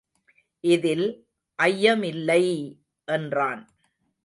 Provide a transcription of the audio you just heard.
இதில் ஐயமில்லை! என்றான்.